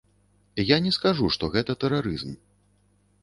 Я не скажу, што гэта тэрарызм.